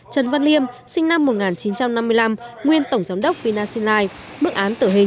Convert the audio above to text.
trần văn liêm sinh năm một nghìn chín trăm năm mươi năm nguyên tổng giám đốc vinasinlie mức án tử hình